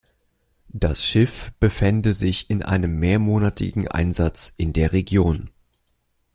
Das Schiff befände sich in einem mehrmonatigen Einsatz in der Region.